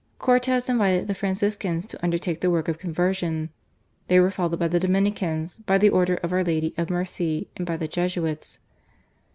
Cortes invited the Franciscans to undertake the work of conversion. They were followed by the Dominicans, by the Order of Our Lady of Mercy and by the Jesuits.